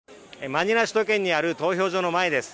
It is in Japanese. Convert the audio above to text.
マニラ首都圏にある投票所の前です。